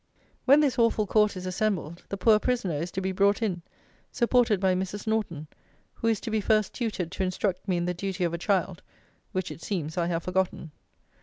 When this awful court is assembled, the poor prisoner is to be brought in, supported by Mrs. Norton; who is to be first tutored to instruct me in the duty of a child; which it seems I have forgotten.